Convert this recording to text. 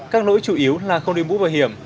các lỗi chủ yếu là không đưa bút bảo hiểm